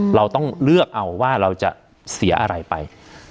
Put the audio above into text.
เราต้องเลือกเอาว่าเราจะเสียอะไรไป